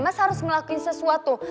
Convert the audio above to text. mas harus ngelakuin sesuatu